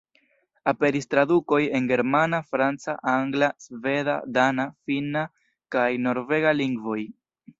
Aperis tradukoj en germana, franca, angla, sveda, dana, finna kaj norvega lingvoj.